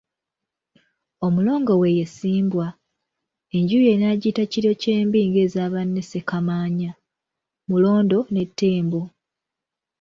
Omulongo we ye Ssimbwa, enju ye n'agiyita Kiryokyembi ng'eza banne Ssekamaanya, Mulondo ne Ttembo.